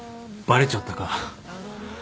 バレちゃったか。